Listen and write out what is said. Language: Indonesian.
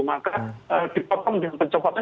maka dipotong dengan pencobotnya